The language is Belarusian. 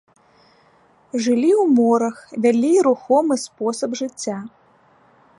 Жылі ў морах, вялі рухомы спосаб жыцця.